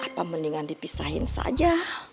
apa mendingan dipisahin saja